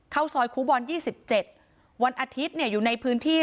เข้าซอยคูบอนยี่สิบเจ็ดวันอาทิตเนี่ยอยู่ในพื้นที่